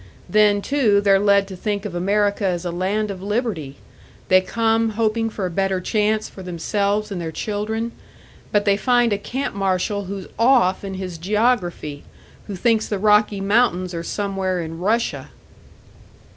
Then, too, they're led to think of America as a land of liberty; they come, hoping for a better chance for themselves and their children; but they find a camp marshal who's off in his geography who thinks the Rocky Mountains are somewhere in Russia!"